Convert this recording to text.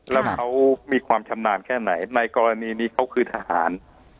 แล้วเขามีความชำนาญแค่ไหนในกรณีนี้เขาคือทหาร